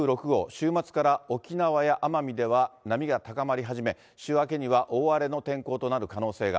週末から沖縄や奄美では波が高まり始め、週明けには大荒れの天候となる可能性が。